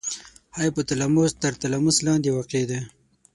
هایپو تلاموس تر تلاموس لاندې واقع دی.